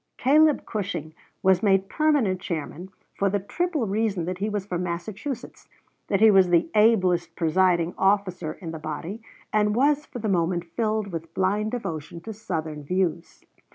Caleb Cushing was made permanent chairman, for the triple reason that he was from Massachusetts, that he was the ablest presiding officer in the body, and was for the moment filled with blind devotion to Southern views.